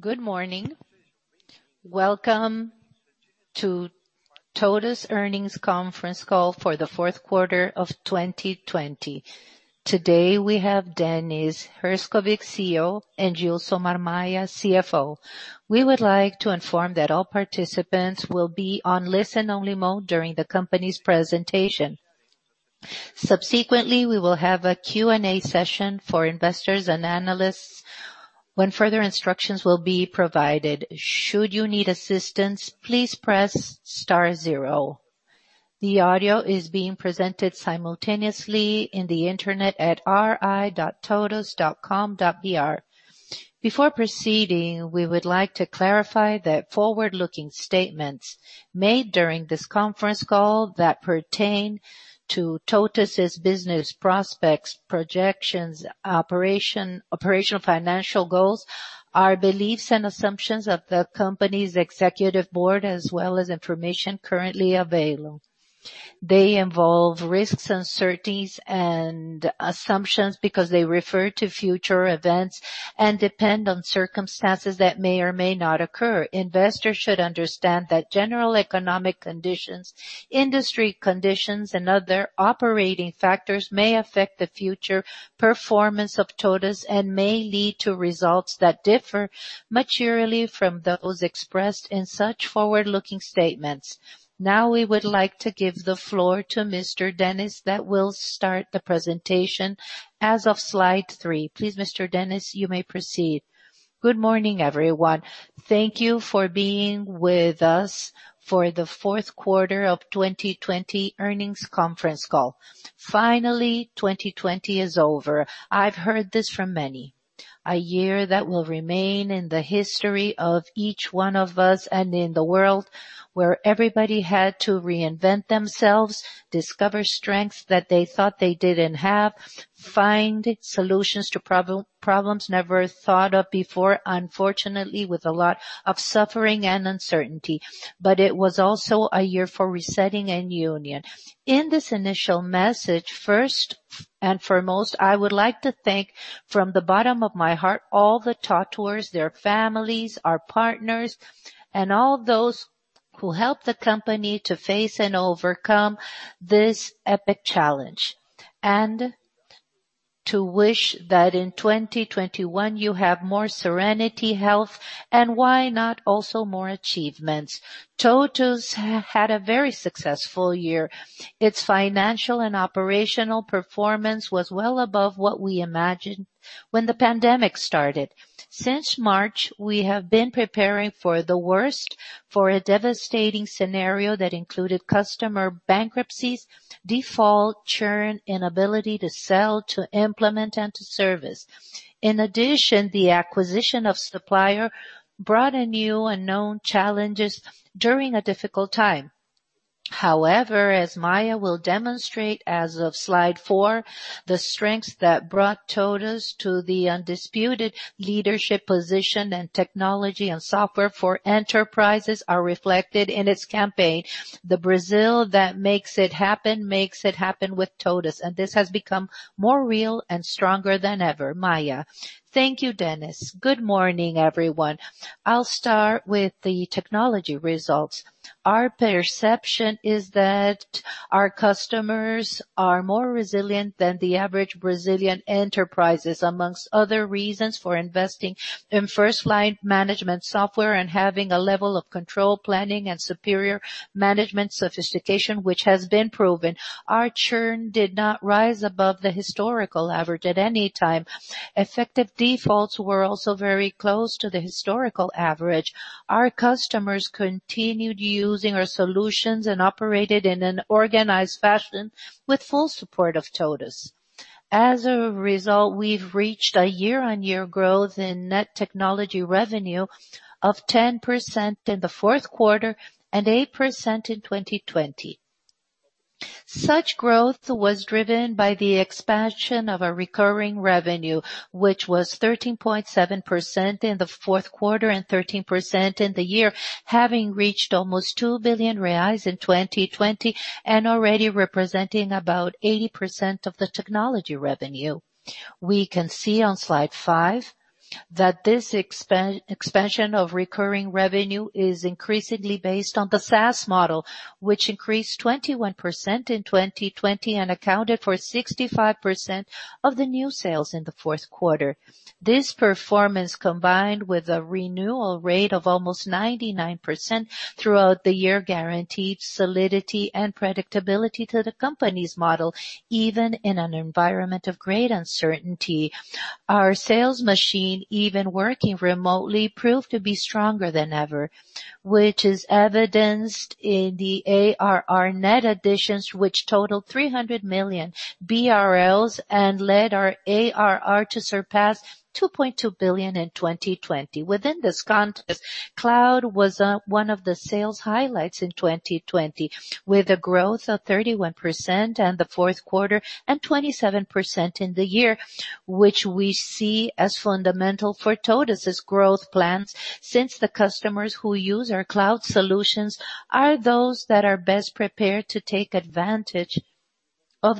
Good morning. Welcome to TOTVS Earnings Conference call for the fourth quarter of 2020. Today we have Dennis Herszkowicz, CEO, and Gilsomar Maia, CFO. We would like to inform that all participants will be on listen-only mode during the company's presentation. Subsequently, we will have a Q&A session for investors and analysts when further instructions will be provided. Should you need assistance, please press star zero. The audio is being presented simultaneously in the internet at ri.totvs.com.br. Before proceeding, we would like to clarify that forward-looking statements made during this conference call that pertain to TOTVS' business prospects, projections, operational financial goals, are beliefs and assumptions of the company's executive board, as well as information currently available. They involve risks, uncertainties, and assumptions because they refer to future events and depend on circumstances that may or may not occur. Investors should understand that general economic conditions, industry conditions, and other operating factors may affect the future performance of TOTVS and may lead to results that differ materially from those expressed in such forward-looking statements. Now we would like to give the floor to Mr. Dennis that will start the presentation as of slide three. Please, Mr. Dennis, you may proceed. Good morning, everyone. Thank you for being with us for the fourth quarter of 2020 earnings conference call. Finally, 2020 is over. I've heard this from many. A year that will remain in the history of each one of us and in the world where everybody had to reinvent themselves, discover strengths that they thought they didn't have, find solutions to problems never thought of before, unfortunately with a lot of suffering and uncertainty. But it was also a year for resetting and union. In this initial message, first and foremost, I would like to thank from the bottom of my heart all the TOTVERS, their families, our partners, and all those who helped the company to face and overcome this epic challenge, and to wish that in 2021 you have more serenity, health, and why not also more achievements. TOTVS had a very successful year. Its financial and operational performance was well above what we imagined when the pandemic started. Since March, we have been preparing for the worst, for a devastating scenario that included customer bankruptcies, default, churn, inability to sell, to implement, and to service. In addition, the acquisition of Supplier brought a new unknown challenges during a difficult time. However, as Maia will demonstrate as of slide four, the strengths that brought TOTVS to the undisputed leadership position and technology and software for enterprises are reflected in its campaign. The Brazil that makes it happen makes it happen with TOTVS, and this has become more real and stronger than ever. Maia, thank you, Dennis. Good morning, everyone. I'll start with the technology results. Our perception is that our customers are more resilient than the average Brazilian enterprises, among other reasons for investing in first-line management software and having a level of control planning and superior management sophistication, which has been proven. Our churn did not rise above the historical average at any time. Effective defaults were also very close to the historical average. Our customers continued using our solutions and operated in an organized fashion with full support of TOTVS. As a result, we've reached a year-on-year growth in net technology revenue of 10% in the fourth quarter and 8% in 2020. Such growth was driven by the expansion of our recurring revenue, which was 13.7% in the fourth quarter and 13% in the year, having reached almost 2 billion reais in 2020 and already representing about 80% of the technology revenue. We can see on slide five that this expansion of recurring revenue is increasingly based on the SaaS model, which increased 21% in 2020 and accounted for 65% of the new sales in the fourth quarter. This performance, combined with a renewal rate of almost 99% throughout the year, guaranteed solidity and predictability to the company's model, even in an environment of great uncertainty. Our sales machine, even working remotely, proved to be stronger than ever, which is evidenced in the ARR net additions, which totaled 300 million BRL and led our ARR to surpass 2.2 billion in 2020. Within this context, cloud was one of the sales highlights in 2020, with a growth of 31% in the fourth quarter and 27% in the year, which we see as fundamental for TOTVS' growth plans since the customers who use our cloud solutions are those that are best prepared to take advantage of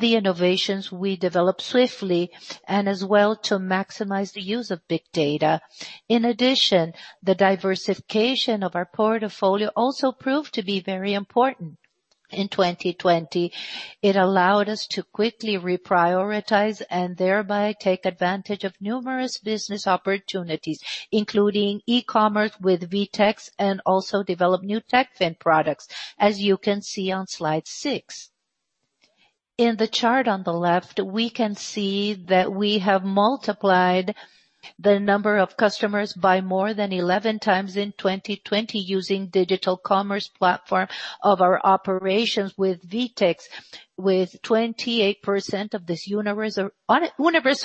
the innovations we develop swiftly and as well to maximize the use of Big Data. In addition, the diversification of our portfolio also proved to be very important in 2020. It allowed us to quickly reprioritize and thereby take advantage of numerous business opportunities, including e-commerce with VTEX and also develop new Techfin products, as you can see on slide six. In the chart on the left, we can see that we have multiplied the number of customers by more than 11x in 2020 using digital commerce platform of our operations with VTEX, with 28% of this universe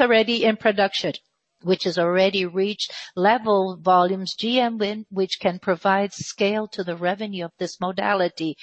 already in production, which has already reached level volumes GMV, which can provide scale to the revenue of this modality.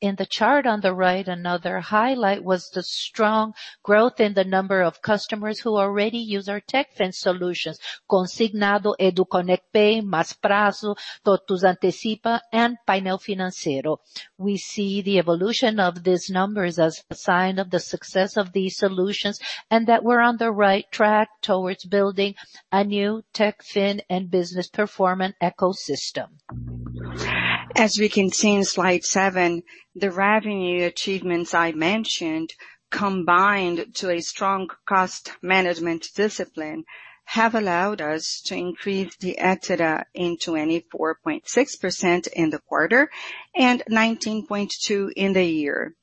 In the chart on the right, another highlight was the strong growth in the number of customers who already use our Techfin solutions: Consignado, EduConnect Pay, Mais Prazo, TOTVS Antecipa and Painel Financeiro. We see the evolution of these numbers as a sign of the success of these solutions and that we're on the right track towards building a new Techfin and business performance ecosystem. As we can see in slide seven, the revenue achievements I mentioned, combined to a strong cost management discipline, have allowed us to increase the EBITDA in 24.6% in the quarter and 19.2% in the year.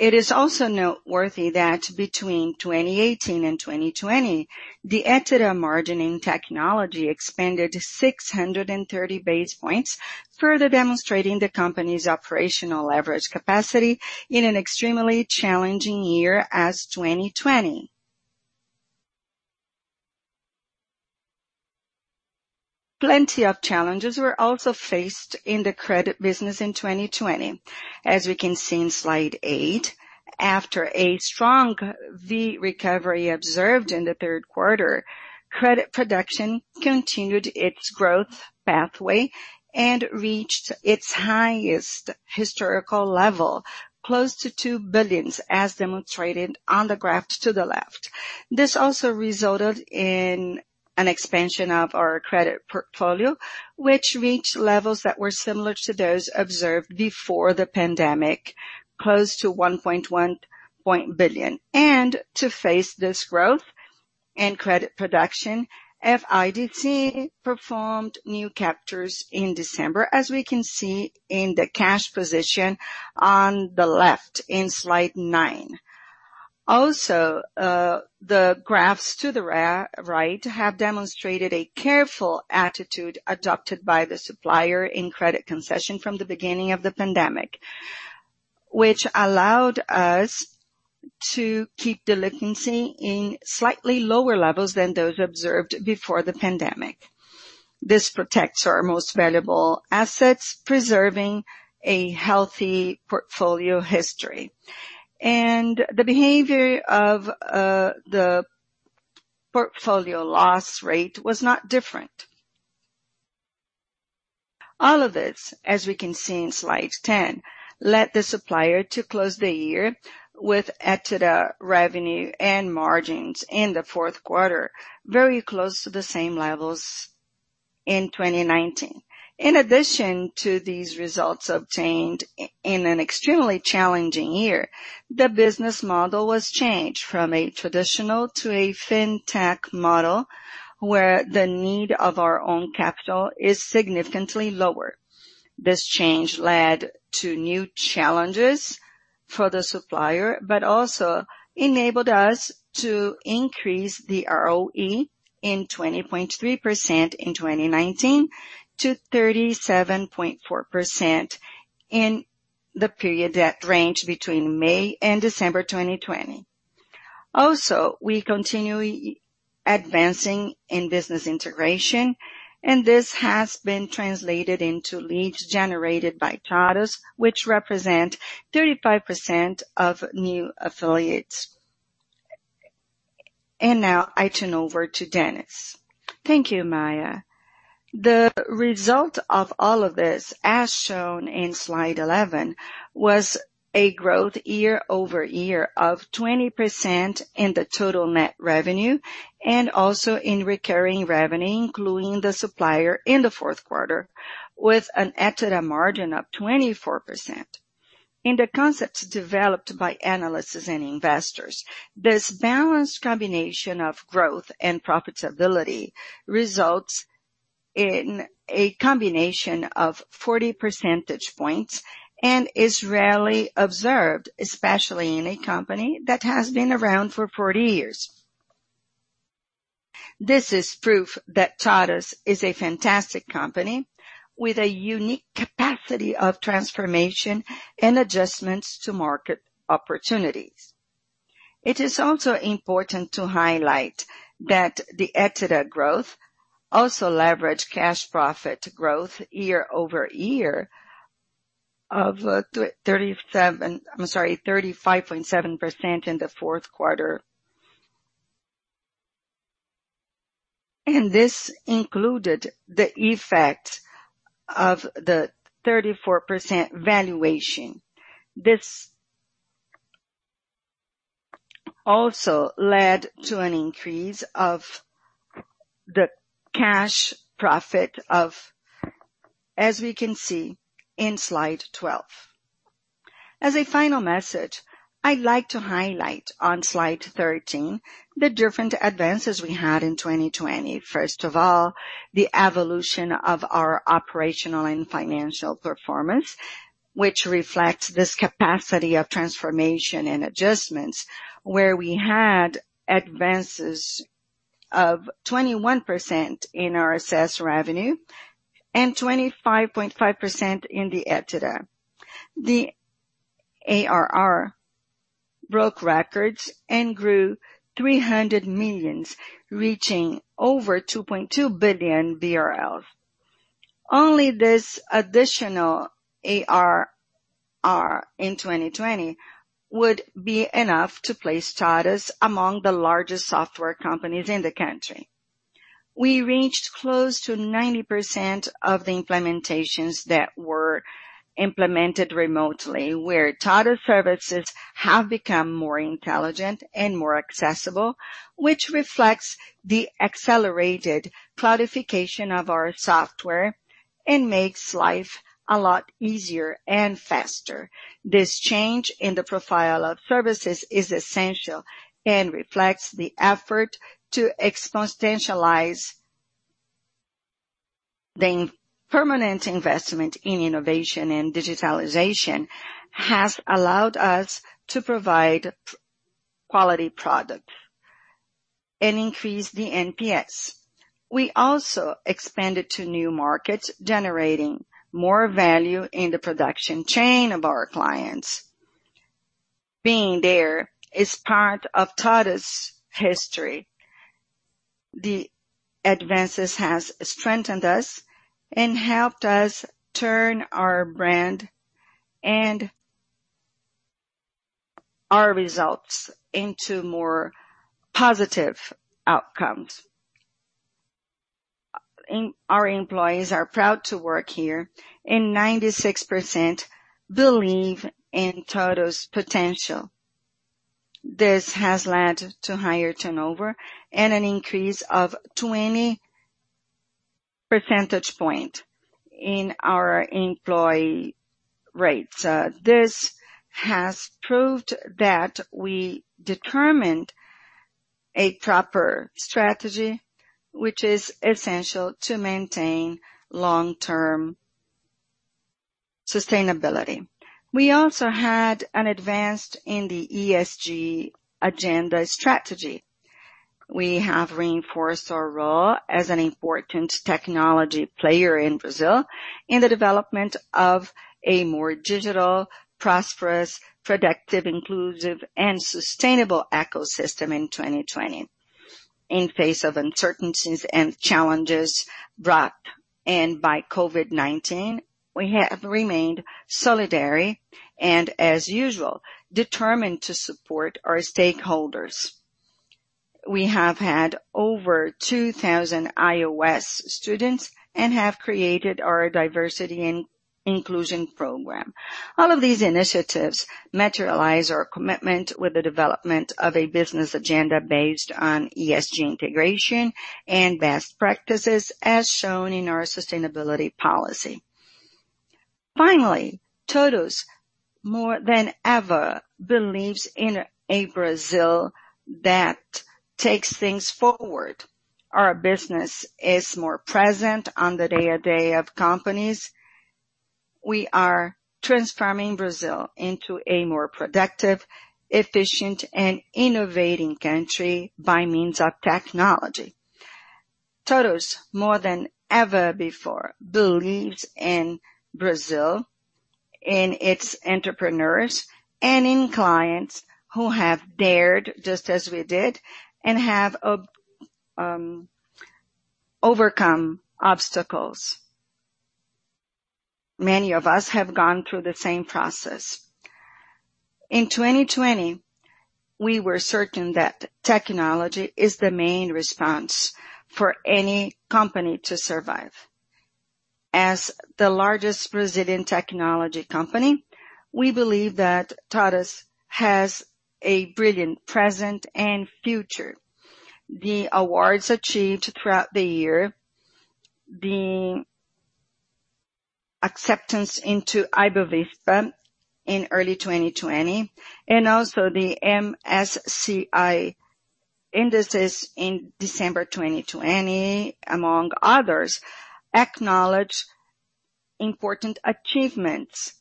It is also noteworthy that between 2018 and 2020, the EBITDA margin in technology expanded 630 basis points, further demonstrating the company's operational leverage capacity in an extremely challenging year as 2020. Plenty of challenges were also faced in the credit business in 2020. As we can see in slide eight, after a strong V recovery observed in the third quarter, credit production continued its growth pathway and reached its highest historical level, close to R$ 2 billion, as demonstrated on the graph to the left. This also resulted in an expansion of our credit portfolio, which reached levels that were similar to those observed before the pandemic, close to R$ 1.1 billion. To face this growth in credit production, FIDC performed new captures in December, as we can see in the cash position on the left in slide nine. Also, the graphs to the right have demonstrated a careful attitude adopted by Supplier in credit concession from the beginning of the pandemic, which allowed us to keep the latency in slightly lower levels than those observed before the pandemic. This protects our most valuable assets, preserving a healthy portfolio history. And the behavior of the portfolio loss rate was not different. All of this, as we can see in slide ten, led Supplier to close the year with EBITDA revenue and margins in the fourth quarter very close to the same levels in 2019. In addition to these results obtained in an extremely challenging year, the business model was changed from a traditional to a fintech model where the need of our own capital is significantly lower. This change led to new challenges for Supplier, but also enabled us to increase the ROE in 20.3% in 2019-37.4% in the period that ranged between May and December 2020. Also, we continue advancing in business integration, and this has been translated into leads generated by TOTVS, which represent 35% of new affiliates. And now I turn over to Dennis. Thank you, Maia. The result of all of this, as shown in slide 11, was a growth year over year of 20% in the total net revenue and also in recurring revenue, including Supplier in the fourth quarter, with an EBITDA margin of 24%. In the concepts developed by analysts and investors, this balanced combination of growth and profitability results in a combination of 40 percentage points and is rarely observed, especially in a company that has been around for 40 years. This is proof that TOTVS is a fantastic company with a unique capacity of transformation and adjustments to market opportunities. It is also important to highlight that the EBITDA growth also leveraged cash profit growth year over year of 37, I'm sorry, 35.7% in the fourth quarter, and this included the effect of the 34% valuation. This also led to an increase of the cash profit of, as we can see in slide 12. As a final message, I'd like to highlight on slide 13 the different advances we had in 2020. First of all, the evolution of our operational and financial performance, which reflects this capacity of transformation and adjustments, where we had advances of 21% in our SaaS revenue and 25.5% in the EBITDA. The ARR broke records and grew 300 million BRL, reaching over 2.2 billion BRL. Only this additional ARR in 2020 would be enough to place TOTVS among the largest software companies in the country. We reached close to 90% of the implementations that were implemented remotely, where TOTVS services have become more intelligent and more accessible, which reflects the accelerated cloudification of our software and makes life a lot easier and faster. This change in the profile of services is essential and reflects the effort to exponentialize the permanent investment in innovation and digitalization has allowed us to provide quality products and increase the NPS. We also expanded to new markets, generating more value in the production chain of our clients. Being there is part of TOTVS history. The advances have strengthened us and helped us turn our brand and our results into more positive outcomes. Our employees are proud to work here, and 96% believe in TOTVS' potential. This has led to higher turnover and an increase of 20 percentage points in our employee rates. This has proved that we determined a proper strategy, which is essential to maintain long-term sustainability. We also had an advance in the ESG agenda strategy. We have reinforced our role as an important technology player in Brazil in the development of a more digital, prosperous, productive, inclusive, and sustainable ecosystem in 2020. In face of uncertainties and challenges brought by COVID-19, we have remained solidary and, as usual, determined to support our stakeholders. We have had over 2,000 IOS students and have created our diversity and inclusion program. All of these initiatives materialize our commitment with the development of a business agenda based on ESG integration and best practices, as shown in our sustainability policy. Finally, TOTVS, more than ever, believes in a Brazil that takes things forward. Our business is more present on the day-to-day of companies. We are transforming Brazil into a more productive, efficient, and innovating country by means of technology. TOTVS, more than ever before, believes in Brazil, in its entrepreneurs, and in clients who have dared, just as we did, and have overcome obstacles. Many of us have gone through the same process. In 2020, we were certain that technology is the main response for any company to survive. As the largest Brazilian technology company, we believe that TOTVS has a brilliant present and future. The awards achieved throughout the year, the acceptance into Ibovespa in early 2020, and also the MSCI indices in December 2020, among others, acknowledge important achievements.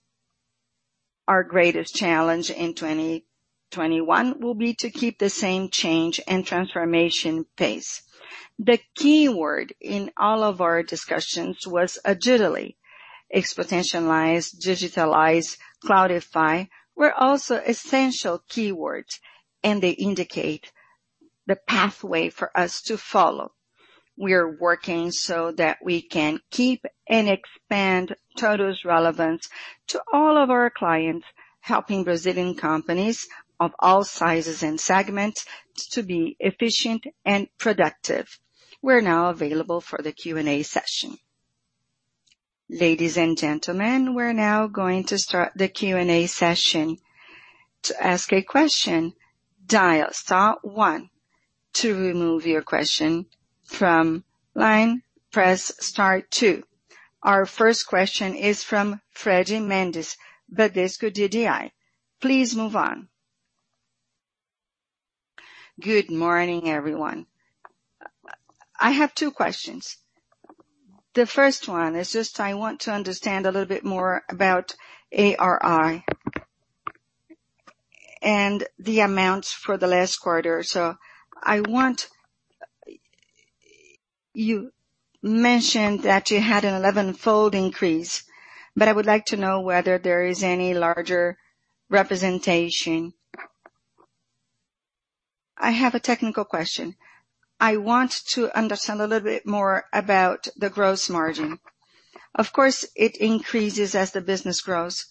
Our greatest challenge in 2021 will be to keep the same change and transformation pace. The keyword in all of our discussions was agility. Exponentialize, digitalize, cloudify were also essential keywords, and they indicate the pathway for us to follow. We are working so that we can keep and expand TOTVS' relevance to all of our clients, helping Brazilian companies of all sizes and segments to be efficient and productive. We're now available for the Q&A session. Ladies and gentlemen, we're now going to start the Q&A session to ask a question. Dial star one to remove your question from line. Press star two. Our first question is from Fred Mendes, Bradesco BBI. Please move on. Good morning, everyone. I have two questions. The first one is just I want to understand a little bit more about ARR and the amounts for the last quarter. So I want you to mention that you had an 11-fold increase, but I would like to know whether there is any larger representation. I have a technical question. I want to understand a little bit more about the gross margin. Of course, it increases as the business grows,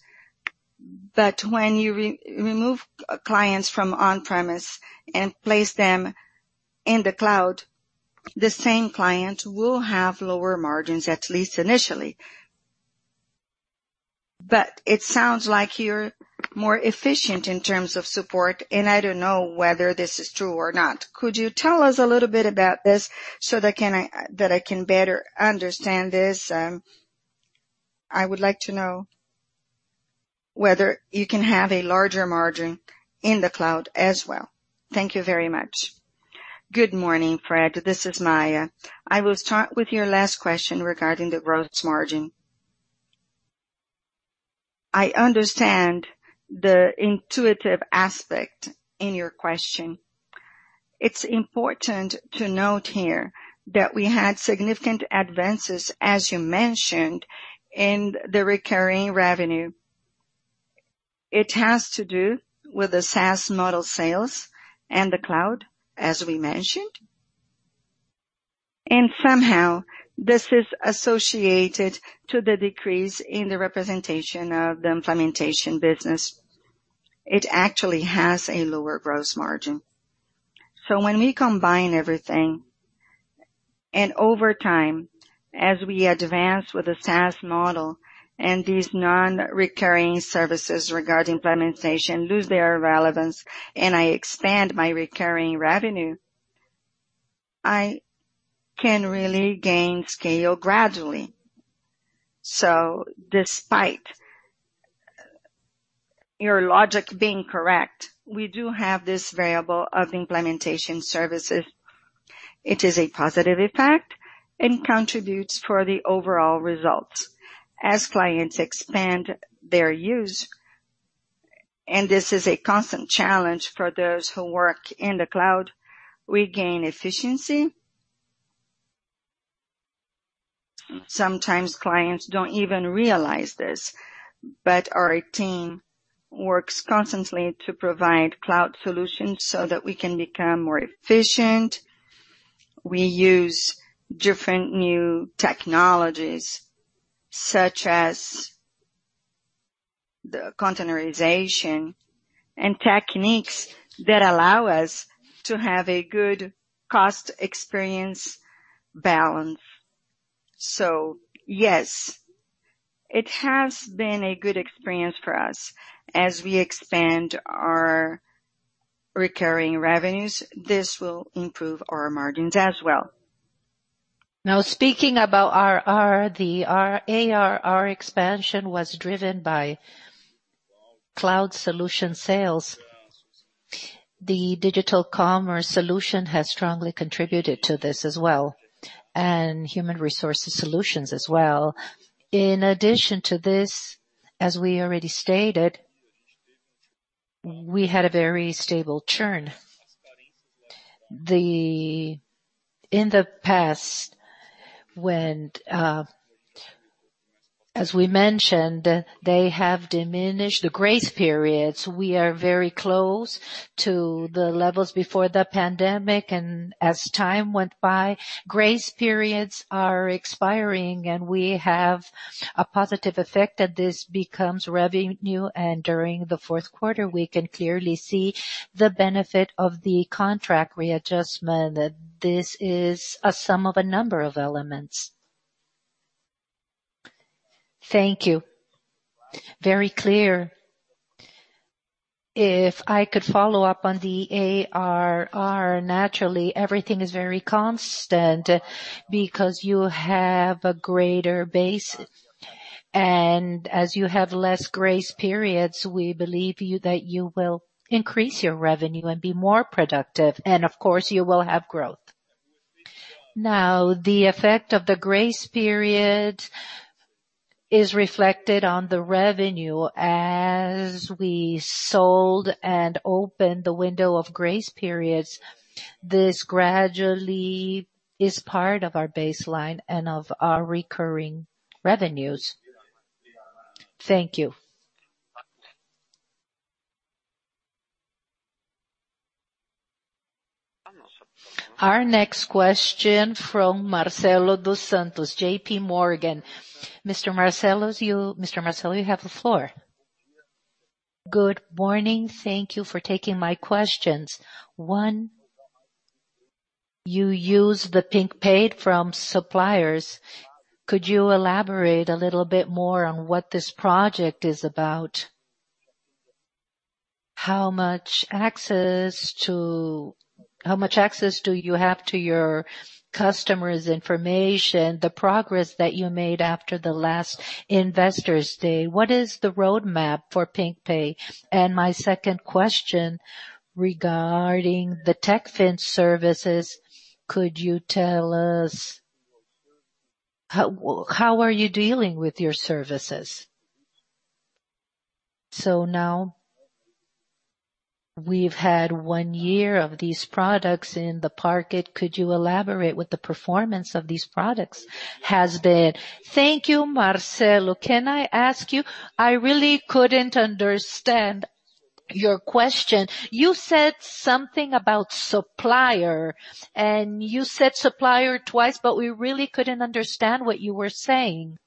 but when you remove clients from on-premise and place them in the cloud, the same client will have lower margins, at least initially. But it sounds like you're more efficient in terms of support, and I don't know whether this is true or not. Could you tell us a little bit about this so that I can better understand this? I would like to know whether you can have a larger margin in the cloud as well. Thank you very much. Good morning, Fred. This is Maia. I will start with your last question regarding the gross margin. I understand the intuitive aspect in your question. It's important to note here that we had significant advances, as you mentioned, in the recurring revenue. It has to do with the SaaS model sales and the cloud, as we mentioned, and somehow, this is associated to the decrease in the representation of the implementation business. It actually has a lower gross margin, so when we combine everything, and over time, as we advance with the SaaS model and these non-recurring services regarding implementation lose their relevance, and I expand my recurring revenue, I can really gain scale gradually, so despite your logic being correct, we do have this variable of implementation services. It is a positive effect and contributes to the overall results. As clients expand their use, and this is a constant challenge for those who work in the cloud, we gain efficiency. Sometimes clients don't even realize this, but our team works constantly to provide cloud solutions so that we can become more efficient. We use different new technologies, such as the containerization and techniques that allow us to have a good cost experience balance. So yes, it has been a good experience for us. As we expand our recurring revenues, this will improve our margins as well. Now, speaking about ARR, the ARR expansion was driven by cloud solution sales. The digital commerce solution has strongly contributed to this as well, and human resources solutions as well. In addition to this, as we already stated, we had a very stable churn. In the past, as we mentioned, they have diminished the grace periods. We are very close to the levels before the pandemic, and as time went by, grace periods are expiring, and we have a positive effect that this becomes revenue. And during the fourth quarter, we can clearly see the benefit of the contract readjustment. This is a sum of a number of elements. Thank you. Very clear. If I could follow up on the ARR, naturally, everything is very constant because you have a greater base. And as you have less grace periods, we believe that you will increase your revenue and be more productive. And of course, you will have growth. Now, the effect of the grace period is reflected on the revenue. As we sold and opened the window of grace periods, this gradually is part of our baseline and of our recurring revenues. Thank you. Our next question from Marcelo Santos, J.P. Morgan. Mr. Marcelo, you have the floor. Good morning. Thank you for taking my questions. One, you use Supplier Pay from suppliers. Could you elaborate a little bit more on what this project is about? How much access do you have to your customers' information, the progress that you made after the last Investors' Day? What is the roadmap for Supplier Pay? And my second question regarding the Techfin services, could you tell us how are you dealing with your services? So now we've had one year of these products in the market. Could you elaborate with the performance of these products? Has been. Thank you, Marcelo. Can I ask you? I really couldn't understand your question. You said something about supplier, and you said supplier twice, but we really couldn't understand what you were saying.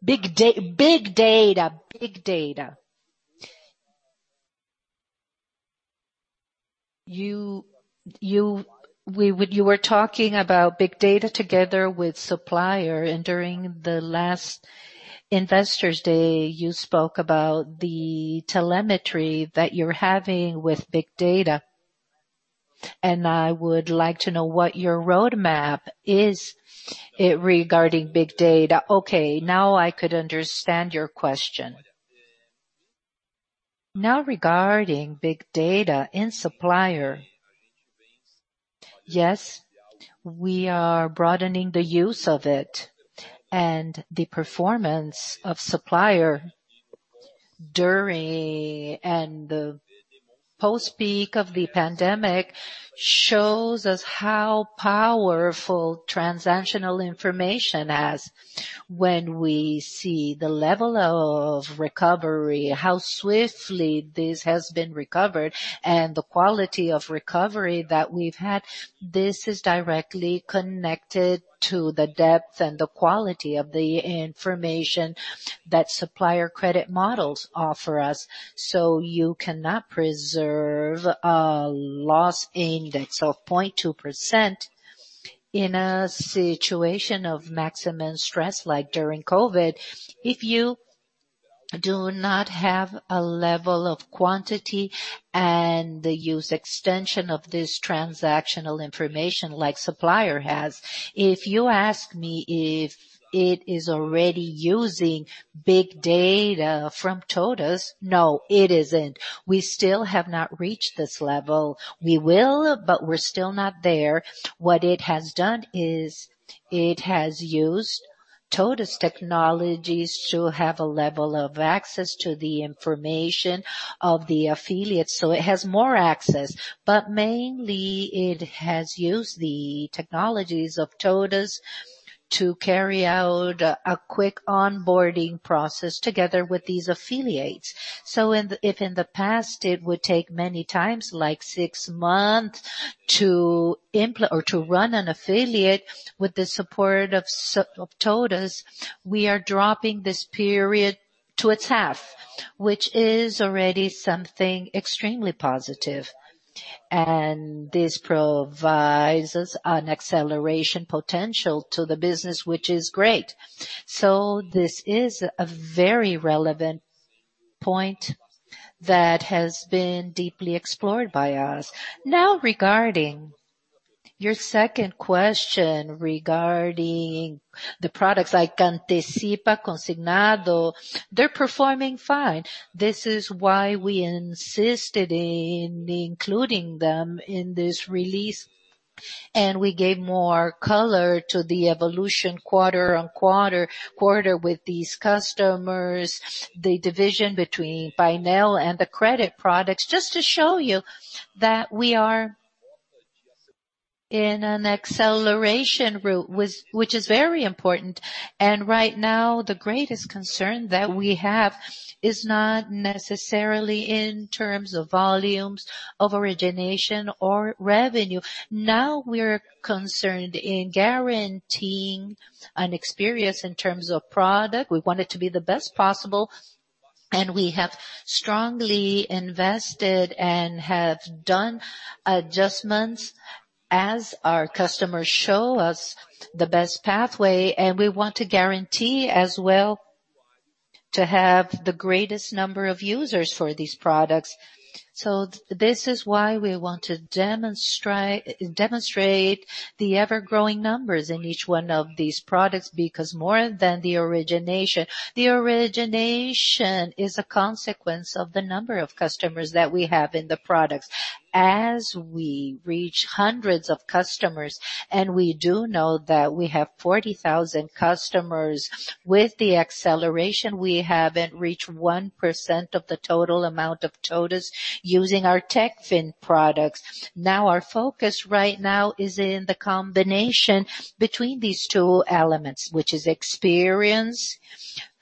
My first question is Big Data, Big Data. You were talking about Big Data together with Supplier, and during the last investor's day, you spoke about the telemetry that you're having with Big Data, and I would like to know what your roadmap is regarding Big Data. Okay. Now I could understand your question. Now regarding Big Data in Supplier, yes, we are broadening the use of it, and the performance of Supplier during and the post-peak of the pandemic shows us how powerful transactional information has. When we see the level of recovery, how swiftly this has been recovered, and the quality of recovery that we've had, this is directly connected to the depth and the quality of the information that Supplier credit models offer us. So you cannot preserve a loss index of 0.2% in a situation of maximum stress like during COVID if you do not have a level of quantity and the use extension of this transactional information like Supplier has. If you ask me if it is already using big data from TOTVS, no, it isn't. We still have not reached this level. We will, but we're still not there. What it has done is it has used TOTVS technologies to have a level of access to the information of the affiliates. So it has more access, but mainly it has used the technologies of TOTVS to carry out a quick onboarding process together with these affiliates. So if in the past it would take many times, like six months, to run an affiliate with the support of TOTVS, we are dropping this period to its half, which is already something extremely positive. And this provides us an acceleration potential to the business, which is great. So this is a very relevant point that has been deeply explored by us. Now regarding your second question regarding the products like Antecipa, Consignado, they're performing fine. This is why we insisted in including them in this release, and we gave more color to the evolution quarter-on-quarter with these customers, the division between B2B and the credit products, just to show you that we are in an acceleration route, which is very important. And right now, the greatest concern that we have is not necessarily in terms of volumes of origination or revenue. Now we're concerned in guaranteeing an experience in terms of product. We want it to be the best possible, and we have strongly invested and have done adjustments as our customers show us the best pathway. And we want to guarantee as well to have the greatest number of users for these products. So this is why we want to demonstrate the ever-growing numbers in each one of these products because more than the origination, the origination is a consequence of the number of customers that we have in the products. As we reach hundreds of customers, and we do know that we have 40,000 customers with the acceleration, we haven't reached 1% of the total amount of TOTVS using our Techfin products. Now our focus right now is in the combination between these two elements, which is experience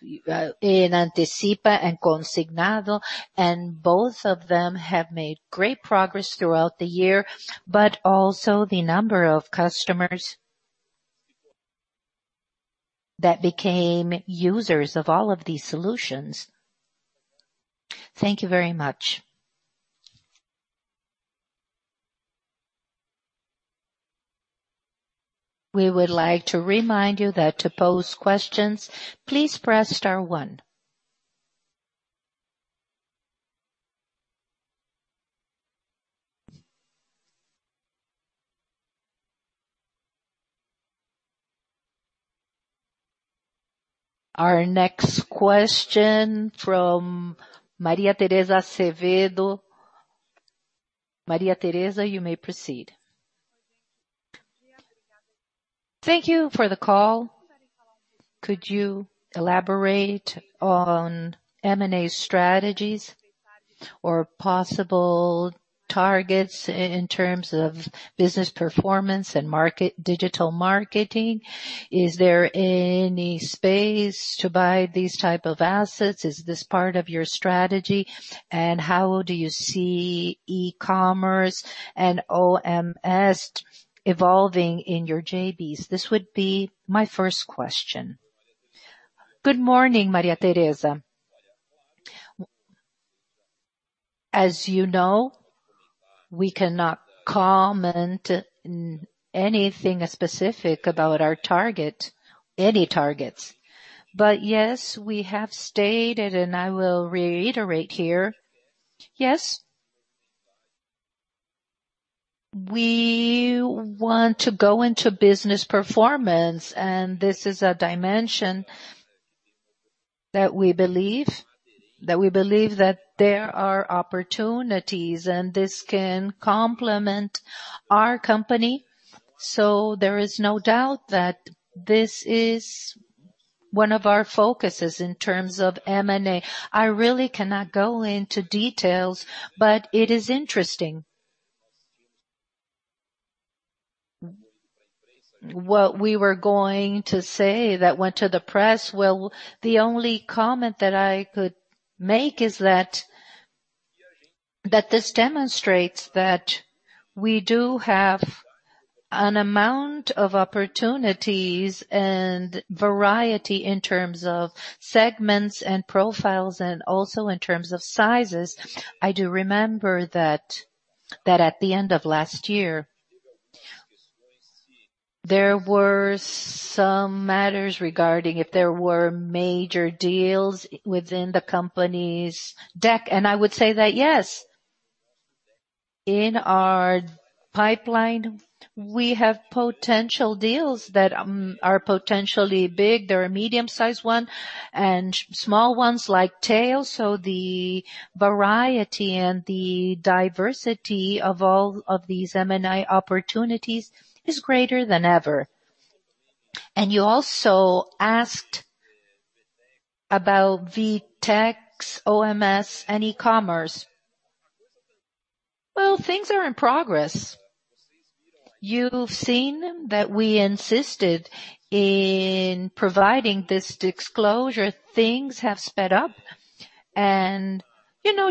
in Anticipa and Consignado, and both of them have made great progress throughout the year, but also the number of customers that became users of all of these solutions. Thank you very much. We would like to remind you that to pose questions, please press star one. Our next question from Maria Teresa Azevedo. Maria Teresa, you may proceed. Thank you for the call. Could you elaborate on M&A strategies or possible targets in terms of business performance and digital marketing? Is there any space to buy these types of assets? Is this part of your strategy? And how do you see e-commerce and OMS evolving in your JVs? This would be my first question. Good morning, Maria Teresa. As you know, we cannot comment on anything specific about our target, any targets. But yes, we have stated, and I will reiterate here. Yes, we want to go into business performance, and this is a dimension that we believe that there are opportunities, and this can complement our company. So there is no doubt that this is one of our focuses in terms of M&A. I really cannot go into details, but it is interesting. What we were going to say that went to the press, well, the only comment that I could make is that this demonstrates that we do have an amount of opportunities and variety in terms of segments and profiles and also in terms of sizes. I do remember that at the end of last year, there were some matters regarding if there were major deals within the company's deck. And I would say that yes, in our pipeline, we have potential deals that are potentially big. There are medium-sized ones and small ones like tails, so the variety and the diversity of all of these M&A opportunities is greater than ever, and you also asked about VTEX, OMS, and e-commerce, well, things are in progress. You've seen that we insisted in providing this disclosure. Things have sped up, and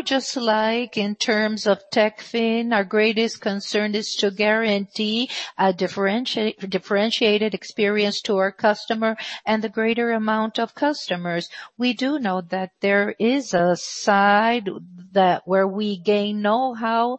just like in terms of Techfin, our greatest concern is to guarantee a differentiated experience to our customer and the greater amount of customers. We do know that there is a side where we gain know-how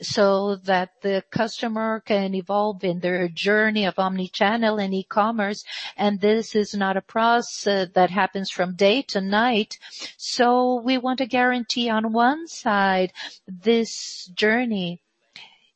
so that the customer can evolve in their journey of omnichannel and e-commerce, and this is not a process that happens from day to night, so we want to guarantee on one side this journey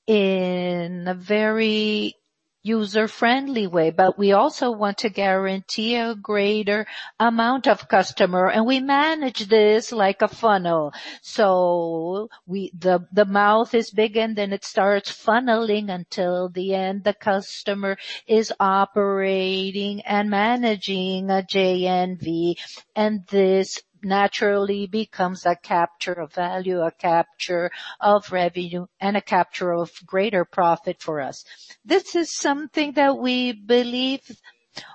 in a very user-friendly way, but we also want to guarantee a greater amount of customer, and we manage this like a funnel. So the mouth is big, and then it starts funneling until the end. The customer is operating and managing a GMV, and this naturally becomes a capture of value, a capture of revenue, and a capture of greater profit for us. This is something that we believe,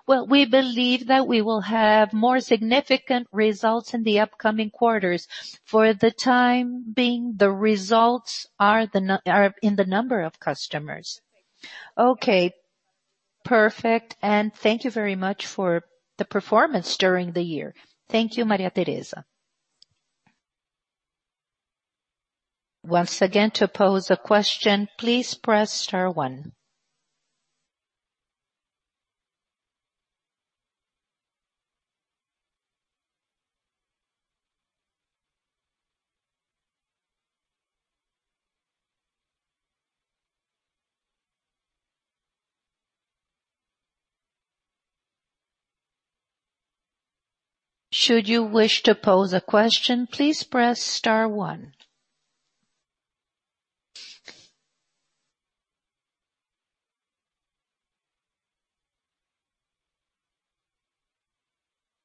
well, we believe that we will have more significant results in the upcoming quarters. For the time being, the results are in the number of customers. Okay. Perfect. And thank you very much for the performance during the year. Thank you, Maria Teresa. Once again, to pose a question, please press star one. Should you wish to pose a question, please press star one.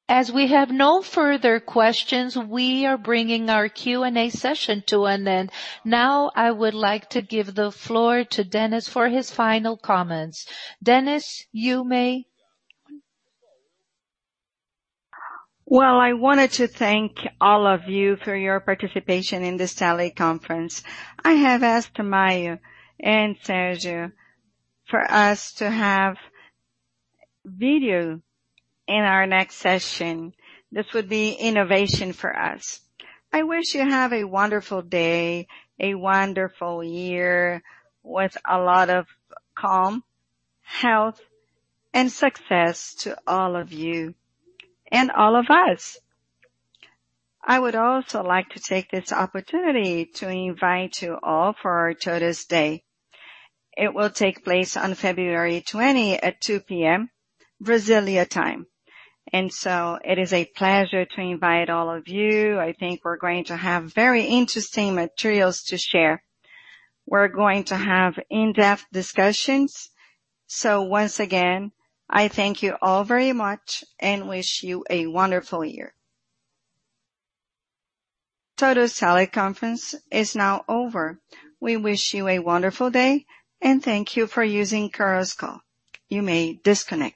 As we have no further questions, we are bringing our Q&A session to an end. Now I would like to give the floor to Dennis for his final comments. Dennis, you may. Well, I wanted to thank all of you for your participation in this teleconference. I have asked Mario and Sérgio for us to have video in our next session. This would be innovation for us. I wish you have a wonderful day, a wonderful year with a lot of calm, health, and success to all of you and all of us. I would also like to take this opportunity to invite you all for our TOTVS Day. It will take place on February 20 at 2:00 P.M. Brazilian time. And so it is a pleasure to invite all of you. I think we're going to have very interesting materials to share. We're going to have in-depth discussions. So once again, I thank you all very much and wish you a wonderful year. TOTVS teleconference is now over. We wish you a wonderful day, and thank you for using Chorus Call. You may disconnect.